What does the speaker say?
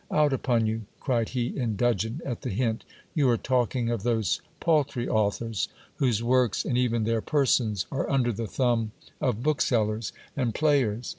Out upon you ! cried he, in dudgeon at the hint. You are talking of those paltry authors, whose works and even their persons are under the thumb of booksellers and players.